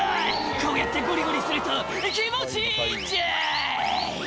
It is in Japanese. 「こうやってゴリゴリすると気持ちいいんじゃ！」